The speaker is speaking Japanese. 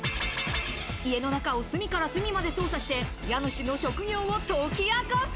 家の中を隅から隅まで捜査して、家主の職業を解き明かす。